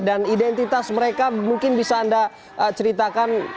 dan identitas mereka mungkin bisa anda ceritakan